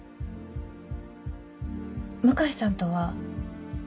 向井さんとは。